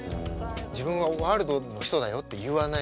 自分はワールドの人だよって言わない。